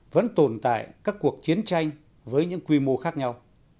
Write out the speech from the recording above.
vẫn tồn tại các cuộc chiến tranh với những quy mô khác nhau